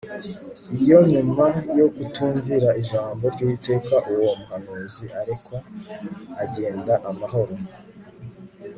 Iyo nyuma yo kutumvira ijambo ryUwiteka uwo muhanuzi arekwa akagenda amahoro